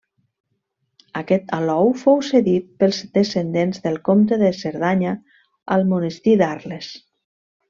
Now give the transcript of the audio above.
Aquest alou fou cedit pels descendents del comte de Cerdanya al monestir d'Arles.